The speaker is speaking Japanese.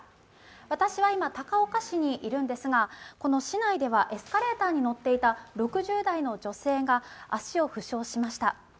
私は今高岡市にいるんですが市内ではエスカレーターに乗っていた６０代の女性が足を負傷しました。